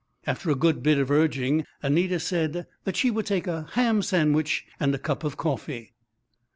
After a good bit of urging Anita said that she would take a ham sandwich and a cup of coffee.